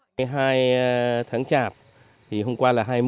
hôm nay tháng chạp thì hôm qua là hai mươi